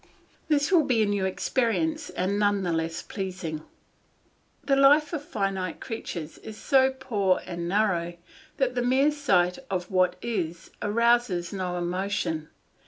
This will be a new experience and none the less pleasing. The life of finite creatures is so poor and narrow that the mere sight of what is arouses no emotion.